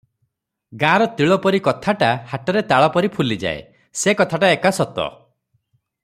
ଗାଁର ତିଳପରି କଥାଟା ହାଟରେ ତାଳପରି ଫୁଲିଯାଏ, ସେ କଥାଟା ଏକା ସତ ।